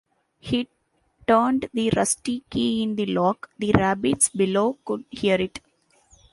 He turned the rusty key in the lock; the rabbits below could hear it.